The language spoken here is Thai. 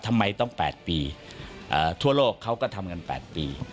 ทำไมต้อง๘ปีทั่วโลกเขาก็ทำกัน๘ปี